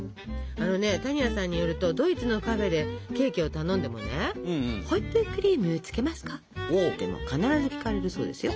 あのね多仁亜さんによるとドイツのカフェでケーキを頼んでもね「ホイップクリームつけますか？」って必ず聞かれるそうですよ。